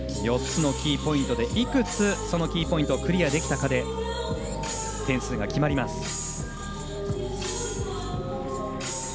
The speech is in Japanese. ４つのキーポイントでいくつそのポイントをクリアできたかで点数が決まります。